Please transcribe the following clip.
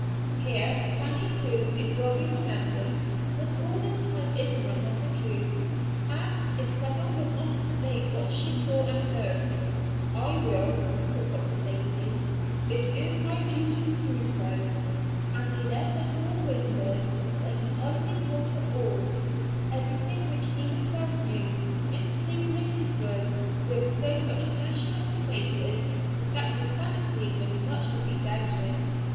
Here, Fanny, who, it will be remembered, was all this time ignorant of the truth, asked if some one would not explain what she saw and heard. "I will," said Dr. Lacey, "it is my duty to do so," and he led her to a window, where he hurriedly told her all—everything which he himself knew, intermingling his words with so much passionate embraces that his sanity was much to be doubted.